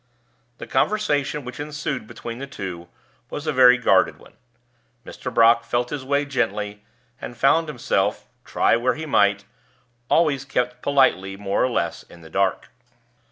The conversation which ensued between the two was a very guarded one. Mr. Brock felt his way gently, and found himself, try where he might, always kept politely, more or less, in the dark.